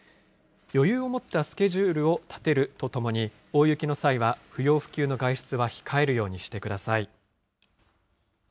余裕を持ったスケジュールを立てるとともに、大雪の際は、不要不急の外出は控えるようにしてください。